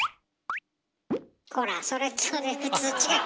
ほらそれそれ普通違う。